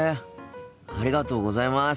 ありがとうございます。